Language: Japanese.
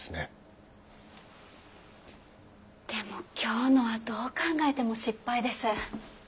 でも今日のはどう考えても失敗です。